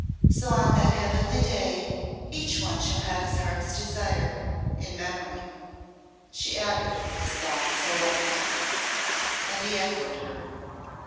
So on that heavenly day each one shall have his heart's desire in memory," she added, with soft solemnity. And he echoed her.